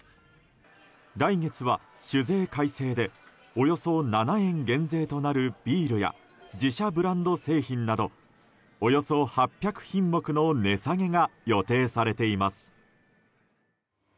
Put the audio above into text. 来月は酒税改正でおよそ７円減税となるビールや自社ブランド製品などおよそ８００品目の値下げが予定されています。